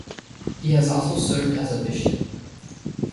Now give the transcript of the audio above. He has also served as a bishop.